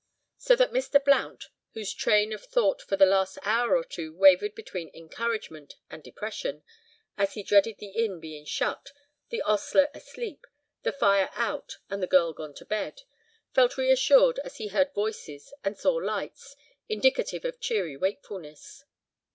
So that Mr. Blount, whose train of thought for the last hour or two wavered between encouragement and depression, as he dreaded the inn being shut, the ostler asleep, the fire out and the girl gone to bed, felt reassured as he heard voices and saw lights, indicative of cheery wakefulness.